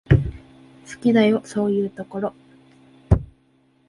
好きだよ、そういうところ。